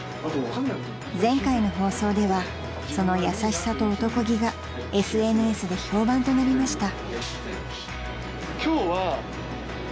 ［前回の放送ではその優しさとおとこ気がＳＮＳで評判となりました］